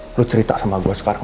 lu cerita sama gue sekarang